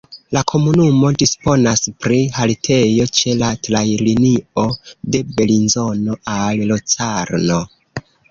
La komunumo disponas pri haltejo ĉe la trajnlinio de Belinzono al Locarno.